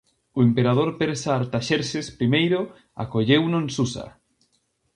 O emperador persa Artaxerxes Primeiro acolleuno en Susa.